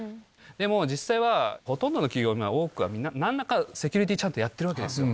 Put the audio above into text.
でも、実際はほとんどの企業、多くは、なんらか、セキュリティちゃんとやってるわけですよ。